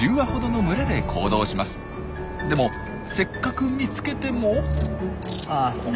でもせっかく見つけても。